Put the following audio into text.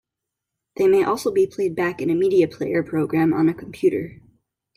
They may also be played back in a media player program on a computer.